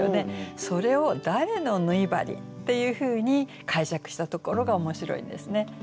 それを「誰の縫い針」っていうふうに解釈したところが面白いんですね。